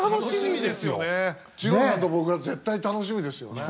二朗さんと僕は絶対楽しみですよね。